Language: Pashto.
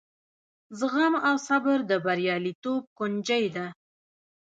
زغم او صبر د بریالیتوب کونجۍ ده.